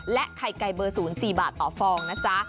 และไข่ไก่เบอร์ศูนย์๔บาทต่อฟองนะจ๊ะ